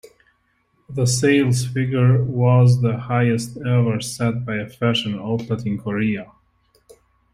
The sales figure was the highest ever set by a fashion outlet in Korea.